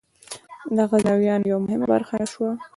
د غزنویانو یوه مهمه برخه شوه.